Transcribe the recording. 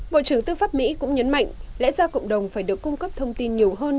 bộ trưởng tư pháp mỹ cũng nhấn mạnh lẽ ra cộng đồng phải được cung cấp thông tin nhiều hơn